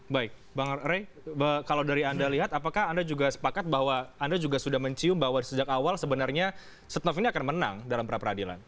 baik bang ray kalau dari anda lihat apakah anda juga sepakat bahwa anda juga sudah mencium bahwa sejak awal sebenarnya setia nova ini akan menang dalam pra peradilan